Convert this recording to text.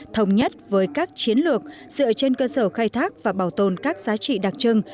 thống nhất với các chiến lược dựa trên cơ sở khai thác và bảo tồn các giá trị đặc trưng